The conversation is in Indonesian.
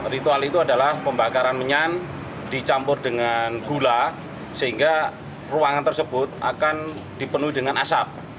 ritual itu adalah pembakaran menyan dicampur dengan gula sehingga ruangan tersebut akan dipenuhi dengan asap